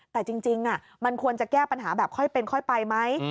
แต่จริงมันควรจะแก้ปัญหาแบบค่อยเป็นค่อยไปไหม